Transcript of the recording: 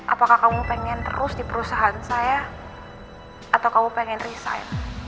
apakah kamu pengen terus di perusahaan saya atau kamu pengen resign